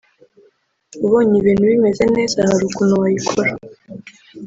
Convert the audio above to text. ubonye ibintu bimeze neza hari ukuntu wayikora